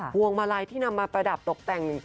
พวงมาลัยที่นำมาประดับตกแต่ง